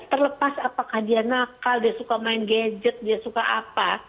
terlepas apakah dia nakal dia suka main gadget dia suka apa